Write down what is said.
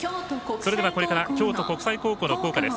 それではこれから京都国際の校歌です。